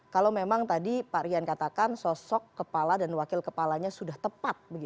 kalau memang tadi pak rian katakan sosok kepala dan wakil kepalanya sudah tepat